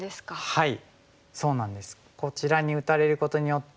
はい。